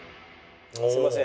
「すいません。